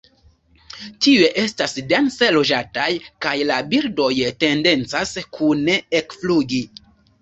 Tiuj estas dense loĝataj kaj la birdoj tendencas kune ekflugi.